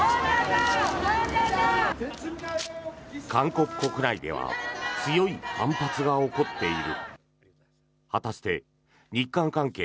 韓国国内では強い反発が起こっている。